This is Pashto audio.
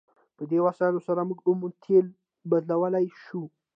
په دې وسایلو سره موږ اومه تیل بدلولی شو.